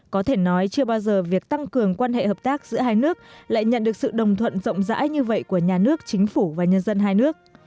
có thể nói chưa bao giờ việc tăng cường quan hệ hợp tác giữa hai nước lại nhận được sự đồng thuận rộng rãi như vậy của nhà nước chính phủ và nhân dân hai nước